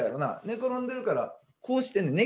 寝転んでるからこうしてんねん。